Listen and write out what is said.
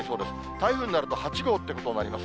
台風になると８号ということになります。